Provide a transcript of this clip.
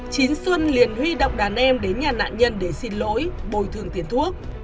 chín xuân liền huy động đàn em đến nhà nạn nhân để xin lỗi bồi thường tiền thuốc